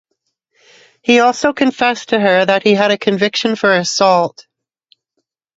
He also confessed to her that he had a conviction for assault.